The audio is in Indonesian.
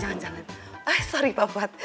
jangan jangan eh sorry pak fuad